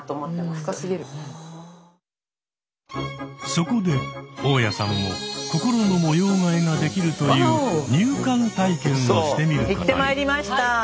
そこで大家さんも心の模様替えができるという入棺体験をしてみることに。